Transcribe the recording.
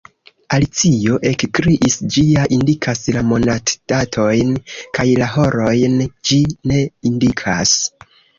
Alicio ekkriis, "ĝi ja indikas la monatdatojn, kaj la horojn ĝi ne indikas."